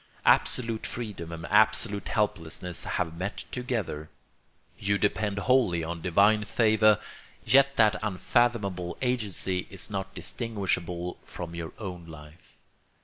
Absolute freedom and absolute helplessness have met together: you depend wholly on divine favour, yet that unfathomable agency is not distinguishable from your own life.